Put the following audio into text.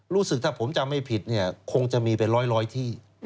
รู้สึกถ้าผมจำไม่ผิดเนี่ยคงจะมีเป็นร้อยที่